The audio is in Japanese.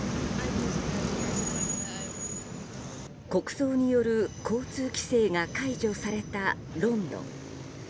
国葬による交通規制が解除されたロンドン。